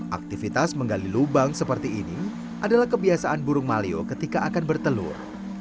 aktivitas menggali lubang seperti ini adalah kebiasaan burung maleo ketika akan bertelur